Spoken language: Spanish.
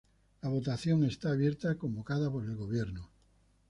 La votación está abierta convocada por el Gobierno.